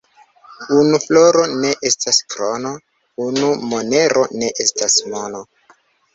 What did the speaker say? Unu floro ne estas krono, unu monero ne estas mono.